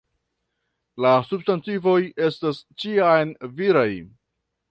La substantivoj estas ĉiam viraj.